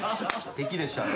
敵でしたね。